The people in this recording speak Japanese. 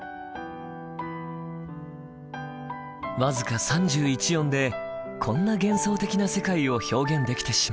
僅か三十一音でこんな幻想的な世界を表現できてしまう。